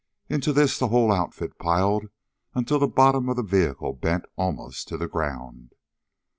Into this the whole outfit piled until the bottom of the vehicle bent almost to the ground.